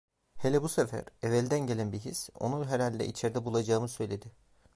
Hele bu sefer, evvelden gelen bir his onu herhalde içeride bulacağımı söyledi.